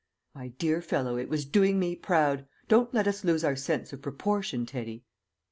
"My dear fellow, it was doing me proud; don't let us lose our sense of proportion, Teddy."